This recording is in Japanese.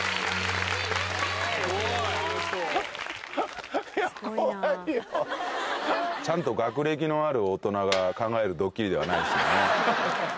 怖いよ。ちゃんと学歴のある大人が考えるドッキリではないですよね。